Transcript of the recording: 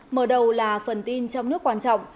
mở đầu là phần tin trong nước quan trọng